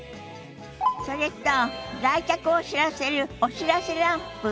それと来客を知らせるお知らせランプ。